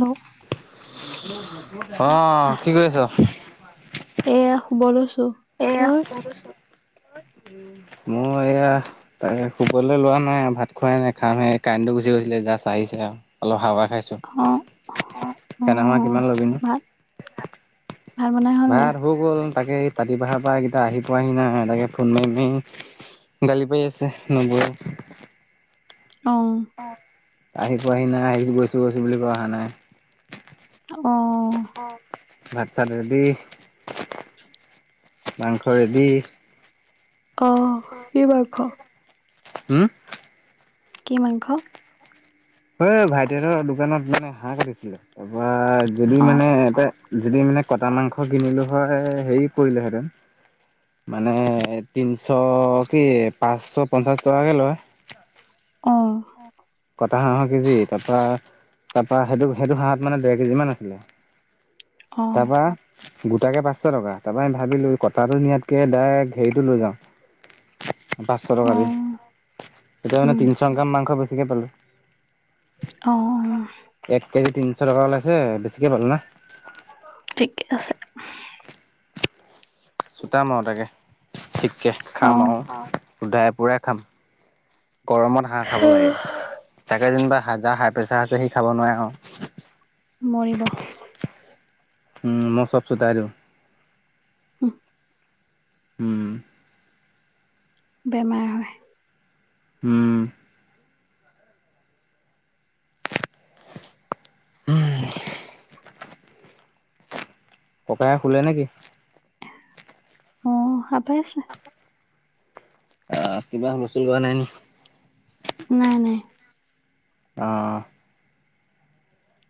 Hello অহ, কি কৰি এয়া আছ? শুব লৈছো এয়া তই শুব লৈছো তই? মই এয়া তাৰে শুবলে লোৱা নাই আৰু ভাত খোৱাই নাই খামহে কাৰেণ্টো গুচি গৈছিলে জাচ আহিছে আৰু অলপ হাৱা খাইছোঁ অ অ সেদনাখনে কিমান ল'বিনো? ভাত ভাত বনাই হ'ল নাই ভাত হৈ গ'ল তাকে এই পাতিপাহাৰ পৰা এইকেইটা আহি পোৱাহি নাই তাকে ফোন মাৰি - মাৰি গালি পাৰি আছে নবৌৱে অহ আহি পোৱাহি নাই আহিছো গৈছো- গৈছো বুলি কৈও আহা নাই। অহ ভাত- চাত ৰেডি মাংস ৰেডি অহ, কি মাংস? হুমউ কি মাংস হয় ভাইটিহতৰ দোকানত মানে হাঁহ কাটিছিলে তাৰপৰা যদি অ মানে এটা যদি মানে কটা মাংস কিনিলোঁ হয় হেৰি পৰিলেহেঁতেন মানে তিনশ কি পাঁচশ পঞ্চাশ টকাকে লয় অ কটা হাঁহ কেজি তাপা তাপা সেইটো সেইটো হাঁহত মানে ডেৰ কেজিমান আছিলে অ তাৰপৰা গোটাকে পাঁচশ টকা তাৰপৰাই ভাবিলোঁ কটাটো নিয়াতকৈ ডাইৰেক্ট হেৰিটো লৈ যাওঁ [inaudible] পাঁচশ টকা অ দি এতিয়া মানে উম তিনিশ গ্ৰাম মাংস বেছিকৈ পালোঁ। অ এক কেজি তিনিশ টকা ওলাইছে বেছিকে পালো না। ঠিকে আছে চোতাম আৰু তাকে ঠিককে অ খাম আৰু শুধাই পুৰাই খাম গৰমত হাঁহ খাব লাগে তাকে যেনিবা হাজাৰ হা প্ৰেছাৰ আছে সি খাব নোৱাৰে আৰু। মৰিব উম মই সব চোতাই দিও উ হম বেমাৰ হয় উম উম ককাই শুলে নেকি অ হাপাই আছে অ কিবা হুলস্থূল কৰা নাই নি নাই নাই আহ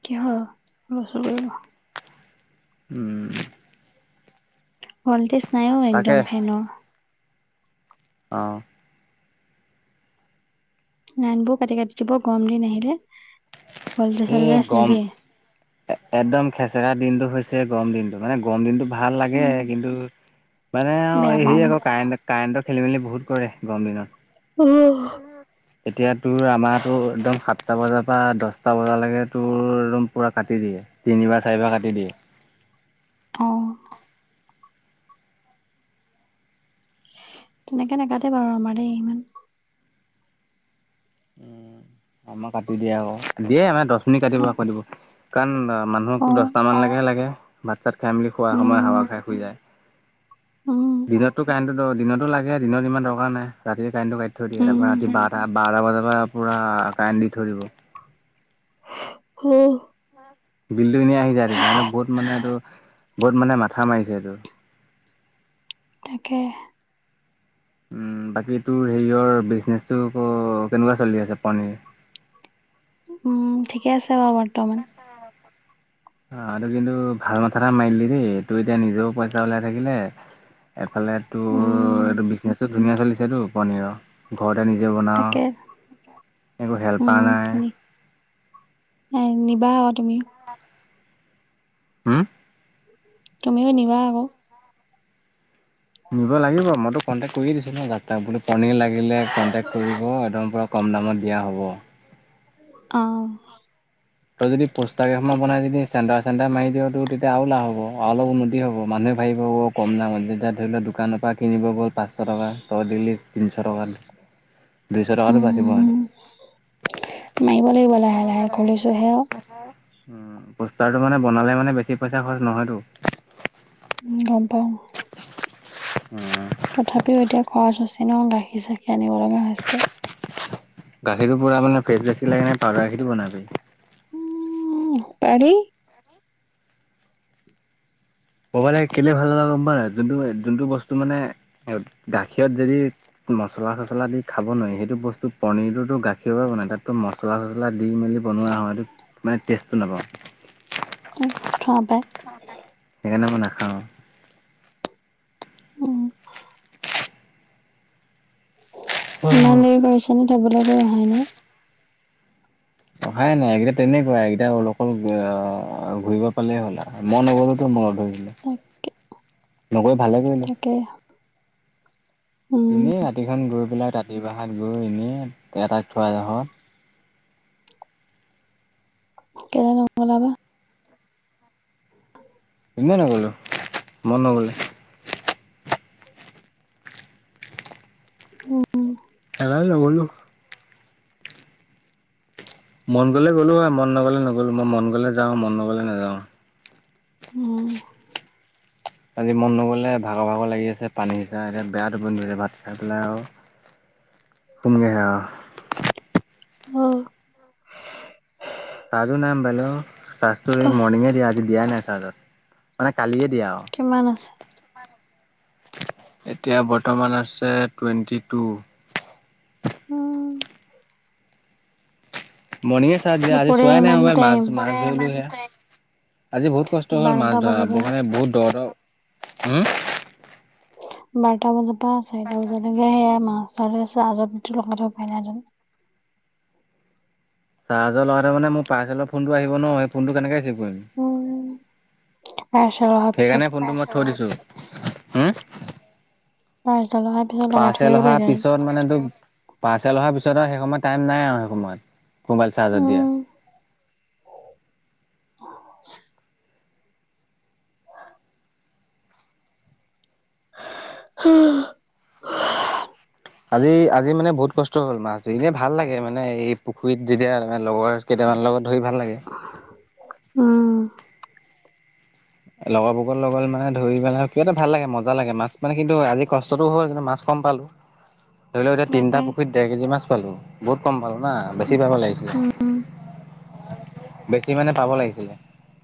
কিহৰ হূলস্থুল কৰিব উম ভল্টেজ নাইও তাকে একদম ফেনৰ অ নইনবোৰ কাটি কাটি দিব গৰম দিন আহিলে গলটো এই চালছ গৰম নিদিয়ে। একদম খেচেৰা দিনটো হৈছে গৰম দিনটো মানে গৰম দিনটো ভাল লাগে উম কিন্তু মানে অ বেয়া পাওঁ হেৰি মই। আকৌ কাৰেণ্ট কাৰেণ্টৰ খেলি মেলি বহুত কৰে গৰম দিনত অ এতিয়া তোৰ আমাৰতো একদম সাতটা বজাৰ পৰা দহটা বজালৈকে তোৰ একদম পূৰা কাটি দিয়ে তিনিবাৰ চাৰিবাৰ কাটি দিয়ে। [inaudible] তেনেকে নাগাটে বাৰু আমাৰ দেই ইমান আমাৰ কাটি দিয়ে আক দিয়ে মানে দহ মিনিট কাটিব আকৌ দিব কাৰণ মানুহকো অ', দহট মানলৈকে লাগে ভাত চাত খাই মেলি খোৱা সময়ত উম, হাৱা খাই শুই যায়। উম, দিনতো কাৰেণ্টটো দিনতো লাগে দিনত ইমান দৰকাৰ নাই ৰাতিয় কাৰেণ্টটো কাটি থৈ দিয়ে তাৰ পৰা উম। ৰাতি বাৰটা বাৰটা বজাৰ পৰা পূৰা কৰেণ দি থৈ দিব হ বিলটো এনে আহি যায় তেতিাহনে বহুত মানে এইটো। গত মানে মাথা মাৰিছে এইটো অকে উম বাকী তোৰ হেৰিয়ৰ বিজনেচটো ক কেনেকুৱা চলি আছে। পনীৰ উম ঠিকে আছে বাৰু বৰ্তমান অ কিন্তু ভাল মথা এটা মাৰিলি দেই তোৰ এতিয়া নিজেও পইচা ওলাই থাকিলে এফালে উম, তোৰ এইটো বিজনেচো ধুনীয়া চলিছেতো পনীৰৰ ঘৰত নিজে বনাওঁ, তাকে, একো হেল্পাৰ নাই। এ নিবা আ তুমি। হুম? তুমিও নিবা আকৌ। নিব লাগিব। মইতো কন্টেক্ট কৰিয়ে দিছিলো ন যাত্ৰাক বোলো পনীৰ লাগিলে কন্টেক্ট কৰিব। একদম পৰা কম দামত দিয়া হ'ব। অ। তই যদি পোষ্টাৰ কেইখনমান বনাই যদি চেণ্টাৰ চেণ্টাৰে মাৰি দিয়, তোৰ তেতিয়া আৰু লাভ হব আৰু অলপ উন্নতি হ'ব। মানুহে ভাবিব অ কম দামত। যেতিয়া ধৰি লও দোকানৰ পৰা কিনিব গ'ল পাঁচশ টকা তই দিলি। তিনছ টকা, দুইশ টকাতো বাচিব। উম, [unintelligible] লাগিব লাহে লাহে খুলিছো অ। উ পোষ্টাৰটো মানে বনালে মানে বেছি পইচা খৰচ নহয়তো। বাও। উম। তথাপিও এতিয়া খৰচ আছে ন। গাখীৰ-চাখিৰ আনিব লগা হৈছে। গাখীৰটো পূৰা মানে পেক গাখীৰ লাগে নে? পাউদাৰ গাখীৰটো বনাবি। উ পাৰি। ক'বালে কেলে ভাল লগে গম পা নে নাই। যোনটো, যোনটো বস্তু মানে গাখীৰত যদি মছলা চছলা দি খাব নোৱাৰি সেইটো বস্তু পনীৰটোতো গাখীৰ পৰা বনায়। তাততো মছলা চছলা দি মেলি বনোৱা হয়টো। মানে টেষ্টটো নাপাওঁ। উ খোৱা পাই [unintelligible] মই নাখাওঁ। উম। ইমান অ'। দেৰি কৰিছেনে? থবলৈ গৈ অহাই নাই। অহাই নাই। এইকেইটা তেনেকুৱাই। এইকেইটা অ অকল ঘূৰিব পালেই হ'ল আও। মন নগলেতো [unintelligible] তাকে। নকৈ ভালে কৰিলো। উম এনেই ৰাতিখন গৈ পেলাই ৰাতি বাহত গৈ এনে দেউতাক‌ থৈ আহোঁ। কেলে‌ নগলা বা? [unintelligible] ইনে নগ'লোঁ। মন নগ'লে। উম। নাই যোৱা মইও। মন গলে গ'লো হয়। মন নগলে নগ'লো। মই মন গলে যাওঁ, মন নগলে নাযাওঁ। ওহ। আজি মন নগ'লে ভাগৰ-ভাগৰ লাগি আছে। পানী সিচা হেতেন বেয়া‌ টোপনি ধৰিছে। ভাত খাই পেলাই আৰু [inaudible] হুমগে আও। ‍অহ। চাৰ্জো নাই মোবাইলৰ। চাৰ্জটো অহ মৰ্ণিঙে দিয়া, আজি দিয়াই নাই চাৰ্জত। মানে কালিয়ে দিয়া আৰু। কিমান আছে? এতিয়া বৰ্তমান আছে টুৱেণ্টি টু। উম। মৰ্ণিঙে চাৰ্জ দিয়া। আজি দুপৰীয়া চোৱাই নাই ইমান মবাইল। টাইম মাছ মাছ ধৰিলো [unintelligible] আজি বহুত কষ্ট হ'ল। মাছ বাৰটা ধৰা বজাৰ পৰা মানে বহুত দ দ বাৰটা বজাৰ পৰা চাৰিটা বজা লৈকে এইয়া মা [unintelligible] চাৰ্জৰ লগতে মানে মোৰ পাৰ্চেলৰ ফোনটো আহিব ন। সেই ফোনটো কেনেকে দিম উম পাৰ্চেল অহাৰ পিছত সেইকাৰণে ফোনটো মই থৈ দিছোঁ। হো? হয়। পাৰ্চেল অহাৰ পিছত মানেতো পাৰ্চেল অহাৰ পিছত আৰু সেই সময়ত টাইম নাই আৰু সেই সময়ত মোবাইল চাৰ্জত দিয়া [inaudible] হোহ। আজি আজি মানে বহুত কষ্ট হ'ল মাছ দি এনেই ভাল লাগে মানে এই পুখুৰীত যেতিয়া লগৰ কেইটামান লগত ধৰি ভাল লাগে। উম লগৰবগৰ লগত মানে ধৰি পেলাই আৰু কিবা এটা ভাল লাগে মজা লাগে মাছ মানে কিন্তু আজি কষ্টটো হ'ল কিন্তু মাছ পালো ধৰি লও এতিয়া তিনিটা তাকে পুখুৰীত দেৰ কেজি মান মাছ পালো বহুত কম পালোঁ। নাহ বেছি ভাগৰ লাগিছিলে উম বেছি মানে পাব লাগিছিলে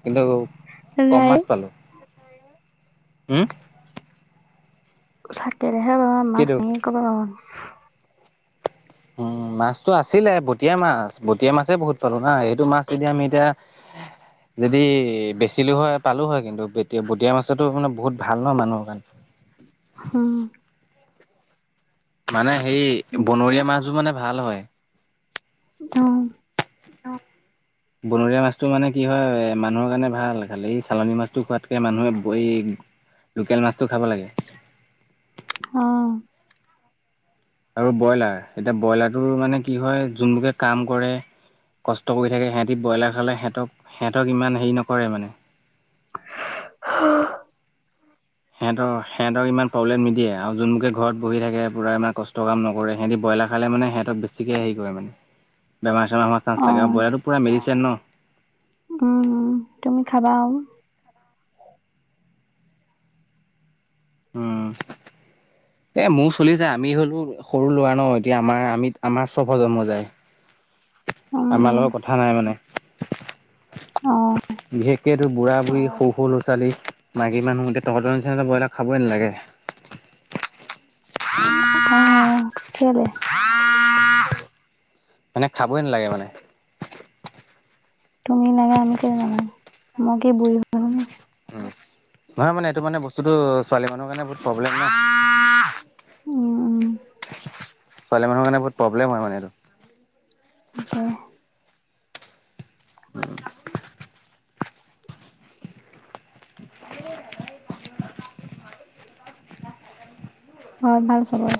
কিন্তু কম নাই মাছ পালোঁ। থাকিলেহে পাবা মাছ কিটো? এনে কৰ পৰা‌ পাবা উম মাছটো আছিলে বটিয়া মাছ বটীয়া মাছে বহুত পালো না সেইটো মাছ যদি আমি এতিয়া যদি বেচিলো হয় পালো হয় কিন্তু বটিয়া মাছতো মানে বহুত ভাল নহ মানুহৰ কাৰণে হোম। মানে সেই এতিয়া বনৰীয়া মাছবোৰ মানে ভাল হয়। অ [inaudible] বনৰীয়া মাছটো মানে কি হয় মানুহৰ কাৰণে ভাল খালি এই চালনী মাছটো খোৱাতকে মানুহে ধৰি লোকেল মাছটো খাব লাগে। অহ। আৰু ব্ৰইলাৰ এতিয়া ব্ৰইলাৰটোৰ মানে কি হয় যোনবোৰে কাম কৰে কষ্ট কৰি থাকে সিহঁতি ব্ৰইলাৰ খালে সিহঁতক সিহঁতক ইমান হেৰি নকৰে মানে উহ। সিহঁতৰ সিহতৰ ইমান প্ৰবলেম নিদিয়ে আৰু যোনবোৰে ঘৰত বহি থাকে পূৰা ইানে কষ্টৰ কাম নকৰে সিহঁতি ব্ৰইলাৰ খালে মানে সিহঁতক বেছিকৈ হেৰি কৰে মানে। বোৰেমাৰোৱা চাাকে অ', বইৰাাৰো পৰা মেিছে ন। উম তুমি খাবা। আহ [inaudible] এ মোৰ চলি যায় আমি হলেও সৰু ল'ৰা ন এতিয়া আমাৰ আমিত আমাৰ ছ প্ৰ জন্ম যায়। উম, উথা নাই মানে। অ', বিশেষক এইটো বুঢ়া বু় সৰু ল'ৰা ছালী মাকী মানুহ এতিয়া তহতৰ নিচিনা ব্ৰইলাৰ খাবই নালাগে। আহ কলে। মানে খাবই নালাগে মানে। তুমি নাগে আমি কেনে জানাই মই কি বুঢ়ী হ জানাই। উ নহয় মানে এইটো মানে বস্তুতটো ছোৱালী মানুহৰ কাৰণে বহুত প্ৰব্লেম নাই। উম উম। ছোৱালী মানুহৰ কাৰণে বহুত প্ৰব্লেম হয় মানে এইটো। একে [unintelligible] স। হয় ভাল চবৰে।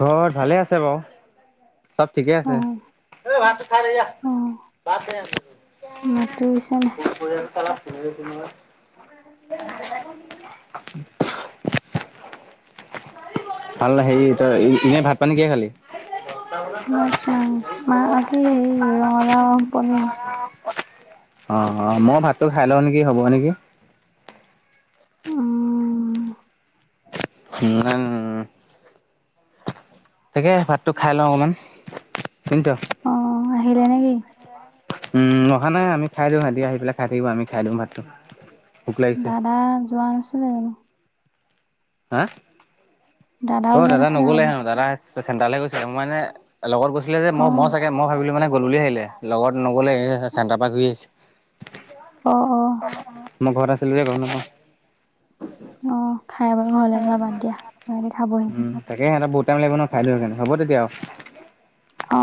ঘৰত ভালে আছে বাৰু। চব ঠিকে আছে অ', ভ। মাত পিছে ন। সমাৰ ভাল হেৰি তই এনেই ভাত পানী কি খালি। মাত মাংস মা কি হেৰি ৰঙালাও পন। অ অ মই ভাতটো খাই লওঁ নেকি হ'ব নেকি? উম। উম। তাকে ভাতটো খাই লওঁ অকণমান। শুনিছ? অ আহিলে নেকি? উম অহা নাই আমি খাই দিওঁ সিহঁতি আহি পেলাই খাই থাকিব আমি খাই দিওঁ ভাতটো। ভোক লাগিছে। দাদা যোৱা নাছিলে জানো। হা। দাদাও অ যোৱা দাদা নাছিলে নগলে জানো? হেনো দাদা আছে। চেণ্টাৰ গৈছিল আৰু মই মানে লগত গৈছিলো যে মই মই অ', চাগে মই ভাবিলো মানে। গ'ল বুলি আহিলে লগত নগ'লে চেণ্টাৰ পৰা ঘূৰি আহিছে। আহ অ। মই ঘৰ আছিলোঁ যে গৰ নাপা। অ খাই বাৰু ঘৰলৈ যাবা দিয়া ন খাবহি। এ সহঁত বুতটাইম লাগিব ন খাইৈ সেনে হ'ব তেতিয়া আৰু। অ।